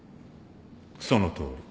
そのとおり。